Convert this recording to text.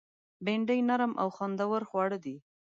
بېنډۍ نرم او خوندور خواړه دي